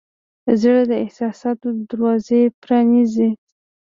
زړه د احساساتو دروازې پرانیزي.